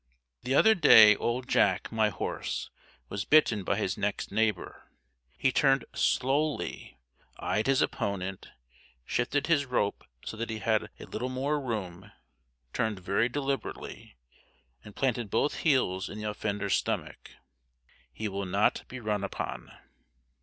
The other day old Jack, my horse, was bitten by his next neighbor; he turned SLOWLY, eyed his opponent, shifted his rope so that he had a little more room, turned very deliberately, and planted both heels in the offender's stomach. He will not be run upon.